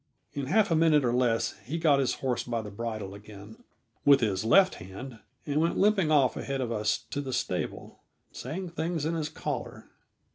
In half a minute or less he got his horse by the bridle again with his left hand and went limping off ahead of us to the stable, saying things in his collar.